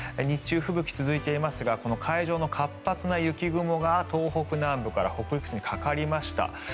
日中、吹雪が続いていますがこの海上の活発な雪雲が東北南部から北陸地方にかかりました。